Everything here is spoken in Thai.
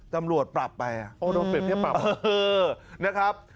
ตำรวจปรับไปโอ้โดนเปรียบเทียบปรับนะครับ